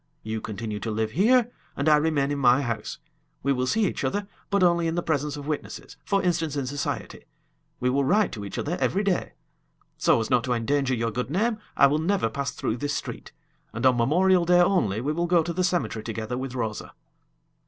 You continue to live here, and I remain in my house. We will see each other, but only in the presence of witnesses for instance, in society. We will write to each other every day. So as not to endanger your good name, I will never pass through this street, and on Memorial Day only we will go to the cemetery together with Rosa."